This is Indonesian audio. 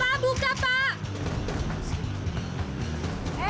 pak buka pak